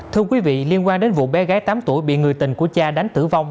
thưa quý vị liên quan đến vụ bé gái tám tuổi bị người tình của cha đánh tử vong